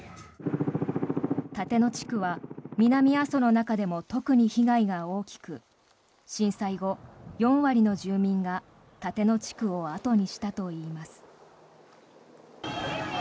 立野地区は南阿蘇の中でも特に被害が大きく震災後、４割の住民が立野地区を後にしたといいます。